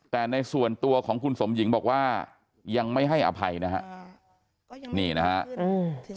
แต่ในส่วนตัวของคุณสมหญิงบอกว่ายังไม่ให้อภัยนะครับ